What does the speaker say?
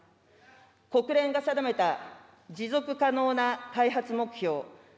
国連が定めた持続可能な開発目標